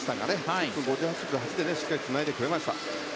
１分５８秒８０でしっかりつなげました。